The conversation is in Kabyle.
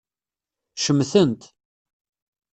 Cemtent.